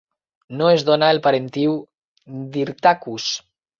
No es dona el parentiu d'Hyrtacus.